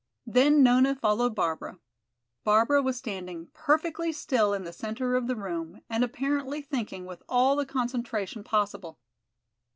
Then Nona followed Barbara. Barbara was standing perfectly still in the center of the room and apparently thinking with all the concentration possible.